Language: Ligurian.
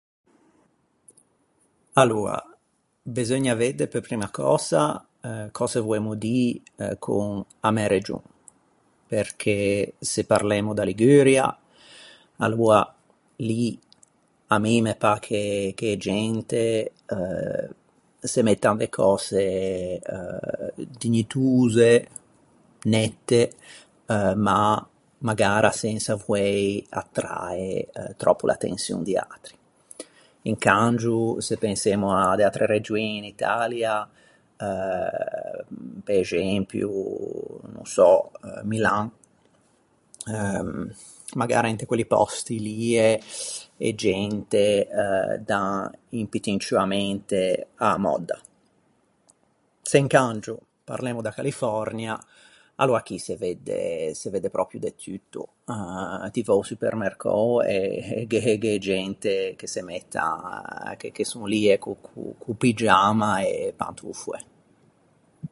Aloa, beseugna vedde pe primma cösa cöse voemmo dî con a mæ region. Perché se parlemmo da Liguria, aloa lì à mi me pâ che che e gente eh se mettan de cöse eh dignitose, nette, ma magara sensa voei attrae tròppo l’attençion di atri. Incangio se pensemmo à de atre regioin in Italia eh pe exempio no sò Milan eh magara inte quelli pòsti lie e gente eh dan un pittin ciù a mente a-a mòdda. Se incangio parlemmo da Califòrnia, aloa chì se vedde se vedde pròpio de tutto. Eh ti væ a-o supermercou e e gh’é gh’é e gente che se mettan, che che son lie co-o co-o pigiama e e pantofoe.